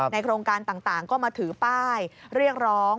โครงการต่างก็มาถือป้ายเรียกร้อง